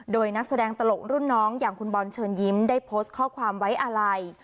โดยนักแสดงตลกรุ่นน้องอย่างคุณบอลเชิญยิ้มได้โพสต์ข้อความไว้อาลัย